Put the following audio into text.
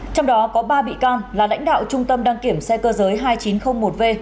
trong đó có ba bị can là lãnh đạo trung tâm đăng kiểm xe cơ giới hai nghìn chín trăm linh một v